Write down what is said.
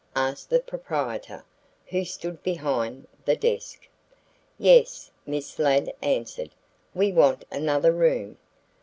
asked the proprietor, who stood behind the desk. "Yes," Miss Ladd answered. "We want another room."